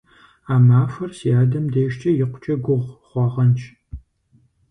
А махуэр си адэм дежкӀэ икъукӀэ гугъу хъуагъэнщ.